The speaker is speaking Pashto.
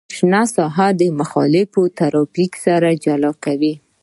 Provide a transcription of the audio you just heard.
شنه ساحه مخالف ترافیک سره جلا کوي